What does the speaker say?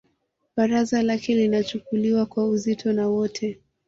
Baraza lake linachukuliwa kwa uzito na wote